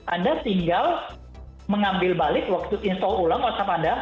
anda tinggal mengambil balik waktu install ulang whatsapp anda